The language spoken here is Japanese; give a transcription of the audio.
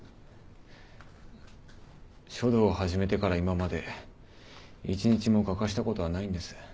書道を始めてから今まで一日も欠かしたことはないんです。